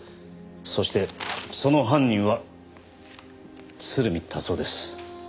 そしてその犯人は鶴見達男です。